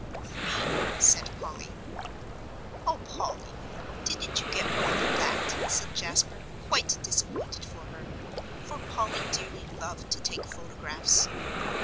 "Three," said Polly. "Oh, Polly, didn't you get more than that?" said Jasper, quite disappointed for her, for Polly dearly loved to take photographs.